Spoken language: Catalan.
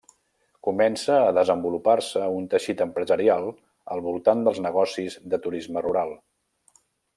Comença a desenvolupar-se un teixit empresarial al voltant dels negocis de turisme rural.